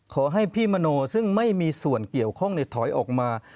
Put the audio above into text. ขอให้พี่มโนซึ่งไม่มีส่วนเกี่ยวข้องในถอยออกมา